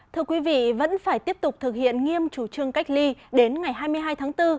thưa quý vị vẫn phải tiếp tục thực hiện nghiêm chủ trương cách ly đến ngày hai mươi hai tháng bốn